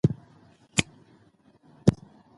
انګریزان د نجات لاره تړي.